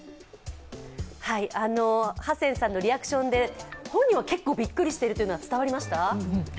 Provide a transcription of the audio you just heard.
ハセンさんのリアクションで、本人は結構びっくりしているというのが伝わりました？